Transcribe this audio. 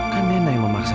kan nena yang memaksa